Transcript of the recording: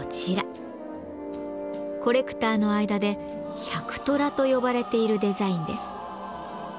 コレクターの間で「百虎」と呼ばれているデザインです。